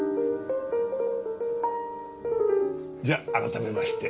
じゃあ改めまして。